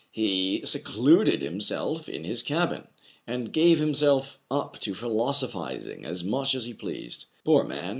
He se cluded himself in his cabin, and gave himself up to philosophizing as much as he pleased. Poor man